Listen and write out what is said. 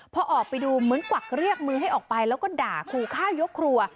พอออกไปดูเหมือนกวักเรียกมือให้ออกไปแล้วก็ด่าขู่ฆ่ายกครัว